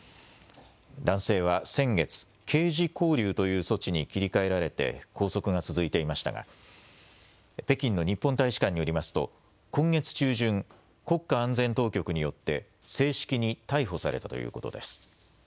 男性は先月、刑事拘留という措置に切り替えられて拘束が続いていましたが北京の日本大使館によりますと今月中旬、国家安全当局によって正式に逮捕されたということです。